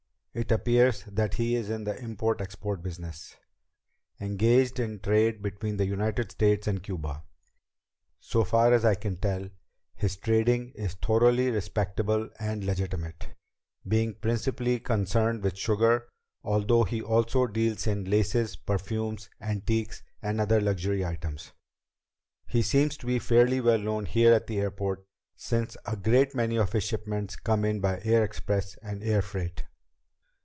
It appears that he is in the import export business, engaged in trade between the United States and Cuba. So far as I can tell, his trading is thoroughly respectable and legitimate, being principally concerned with sugar, although he also deals in laces, perfumes, antiques, and other luxury items. He seems to be fairly well known here at the airport, since a great many of his shipments come in by air express and air freight."